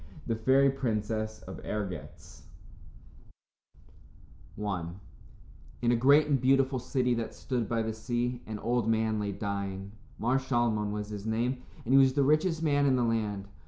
The Fairy Princess of Ergetz I In a great and beautiful city that stood by the sea, an old man lay dying. Mar Shalmon was his name, and he was the richest man in the land.